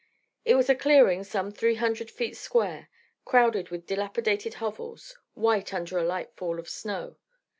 It was a clearing some three hundred feet square, crowded with dilapidated hovels, white under a light fall of snow.